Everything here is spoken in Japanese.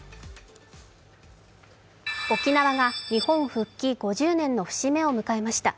沖縄が日本復帰５０年の節目を迎えました。